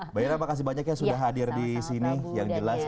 mbak ira makasih banyak ya sudah hadir di sini yang jelas